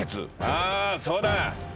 ああそうだ。